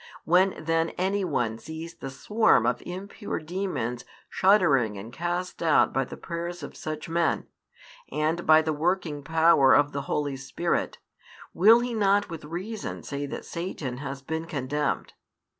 When then any one sees the swarm of impure demons shuddering and cast out by the prayers of such men, and by the working power of the Holy Spirit, will he not with reason say that Satan has been condemned?